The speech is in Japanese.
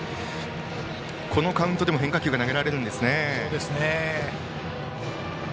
あのカウントでも変化球が投げられます。